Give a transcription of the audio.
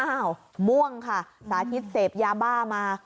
ม่วงค่ะสาธิตเสพยาบ้ามา